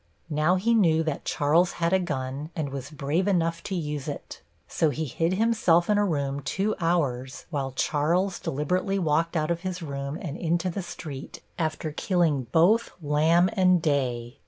Now he knew that Charles had a gun and was brave enough to use it, so he hid himself in a room two hours while Charles deliberately walked out of his room and into the street after killing both Lamb and Day.